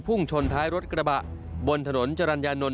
ชนท้ายรถกระบะบนถนนจรรยานนท